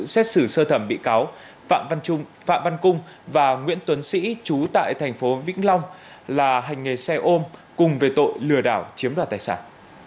sự xét xử sơ thẩm bị cáo phạm văn cung và nguyễn tuấn sĩ trú tại thành phố vĩnh long là hành nghề xe ôm cùng về tội lừa đảo chiếm đoạt tài sản